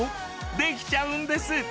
できちゃうんです！